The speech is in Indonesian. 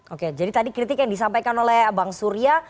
oke jadi tadi kritik yang disampaikan oleh bang surya